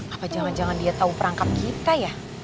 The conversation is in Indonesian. apa jangan jangan dia tahu perangkap kita ya